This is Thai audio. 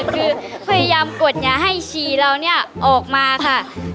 คือพยายามกดยาให้ฉี่เราออกมาค่ะ